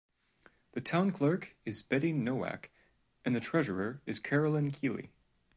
The town clerk is Betty Nowack and the treasurer is Carolyn Keeley.